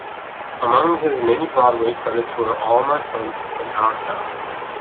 Among his many Broadway credits were "All My Sons" and "Our Town".